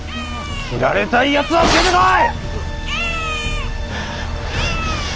斬られたいやつは出てこい！